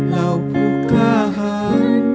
เราผู้กล้าหาร